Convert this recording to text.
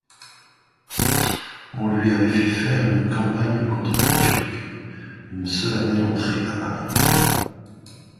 On lui avait fait faire une campagne contre les Turcs, une solennelle entrée à Paris.